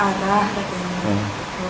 kalau boleh saya ajarin tilawah